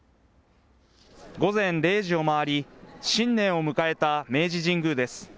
午前０時を回り、新年を迎えた明治神宮です。